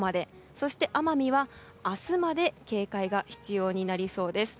そして奄美は明日まで警戒が必要になりそうです。